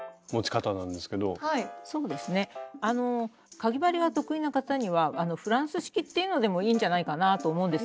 かぎ針が得意な方には「フランス式」っていうのでもいいんじゃないかなぁと思うんです。